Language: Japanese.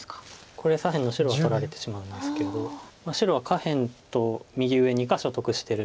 これ左辺の白は取られてしまいますけど白は下辺と右上２か所得してる。